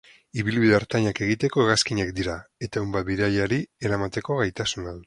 Ibilbide ertainak egiteko hegazkinak dira, eta ehun bat bidaiari eramateko gaitasuna dute.